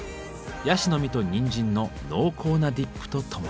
ヤシの実とにんじんの濃厚なディップとともに。